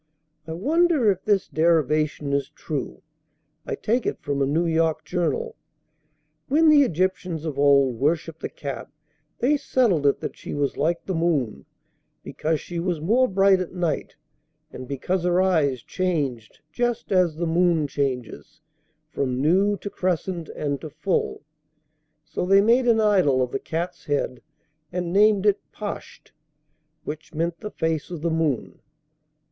I wonder if this derivation is true (I take it from a New York journal): When the Egyptians of old worshipped the cat they settled it that she was like the moon, because she was more bright at night, and because her eyes changed just as the moon changes from new, to crescent, and to full. So they made an idol of the cat's head, and named it pasht, which meant the face of the moon.